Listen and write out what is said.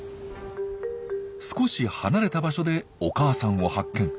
少し離れた場所でお母さんを発見。